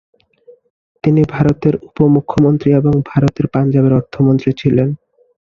তিনি ভারতের উপ-মুখ্যমন্ত্রী এবং ভারতের পাঞ্জাবের অর্থমন্ত্রী ছিলেন।